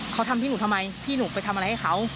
เขาทำพี่หนูทำไมพี่หนูไปทำอะไรให้เขา